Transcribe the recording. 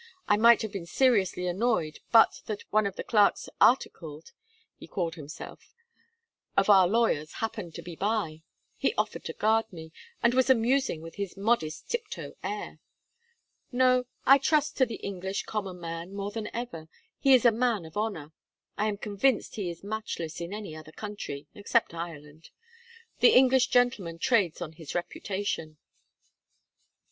I might have been seriously annoyed but that one of the clerks "articled," he called himself of our lawyers happened to be by. He offered to guard me, and was amusing with his modest tiptoe air. No, I trust to the English common man more than ever. He is a man of honour. I am convinced he is matchless in any other country, except Ireland. The English gentleman trades on his reputation.'